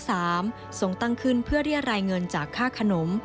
ส่งตั้งขึ้นเพื่อเรียรายเงินจากค่าขนม